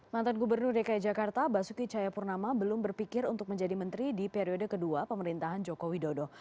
mantan gubernur dki jakarta basuki cayapurnama belum berpikir untuk menjadi menteri di periode kedua pemerintahan joko widodo